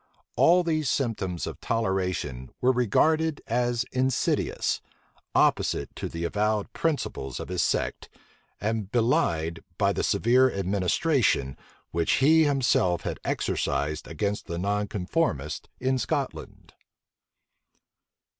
All these symptoms of toleration were regarded as insidious; opposite to the avowed principles of his sect, and belied by the severe administration which he himself had exercised against the nonconformists in Scotland.